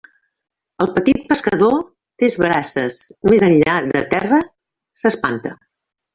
El petit pescador, tres braces més enllà de terra s'espanta.